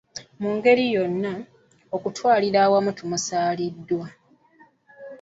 Mu ngeri yonna, okutwalira awamu tumusaaliddwa.